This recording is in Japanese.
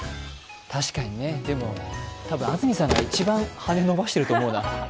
確かにね、でも、安住さんが一番羽伸ばしてると思うな。